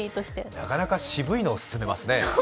なかなか渋いのを勧めますね。